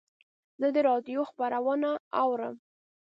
زه د رادیو خپرونه اورم.